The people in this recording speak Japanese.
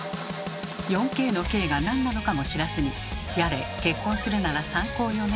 ４Ｋの「Ｋ」がなんなのかも知らずにやれ「結婚するなら３高よね」